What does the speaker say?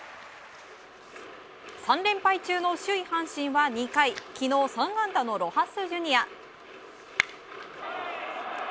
３連敗中の首位、阪神は２回昨日３安打のロハス・ジュニア。